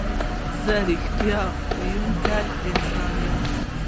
زه رښتیا ویونکی انسان یم.